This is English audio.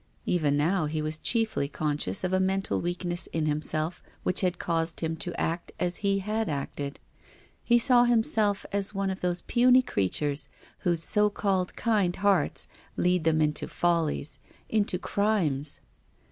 Even now he was chiefly conscious of a mental weak ness in himself wliich had caused him to act as he had acted. He saw himself as one of those puny creatures whose so called kind hearts lead them into follies, into crimes.